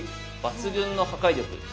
抜群の破壊力。